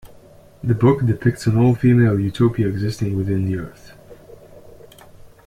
The book depicts an all-female "utopia" existing within the Earth.